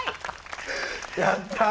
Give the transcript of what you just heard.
やった！